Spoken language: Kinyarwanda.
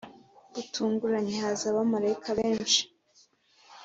Butunguranye haza abamarayika benshi